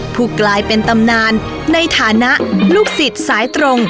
กลายเป็นตำนานในฐานะลูกศิษย์สายตรง